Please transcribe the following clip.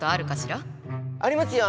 ありますよ。